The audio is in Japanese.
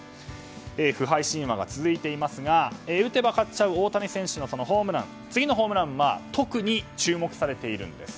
不敗神話が続いていますが打てば勝っちゃう大谷選手の次のホームランは特に注目されているんです。